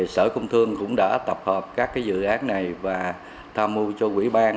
sở công thương cũng đã tập hợp các dự án này và tham mưu cho quỹ ban